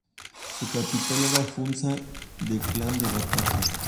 Su capital era Funza, del Clan de Bacatá.